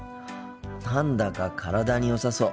何だか体によさそう。